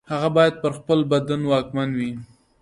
هغه باید پر خپل بدن واکمن وي.